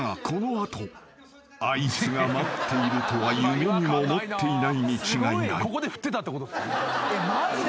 ［あいつが待っているとは夢にも思っていないに違いない］